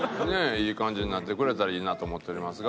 いい感じになってくれたらいいなと思っておりますが。